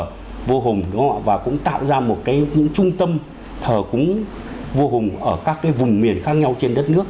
đền thờ vô hùng và cũng tạo ra một cái trung tâm thờ vô hùng ở các cái vùng miền khác nhau trên đất nước